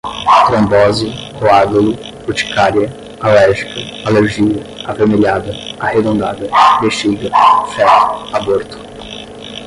trombose, coágulo, urticaria, alérgica, alergia, avermelhada, arredondada, bexiga, feto, aborto